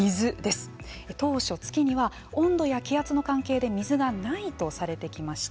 当初月には温度や気圧の関係で水がないとされてきました。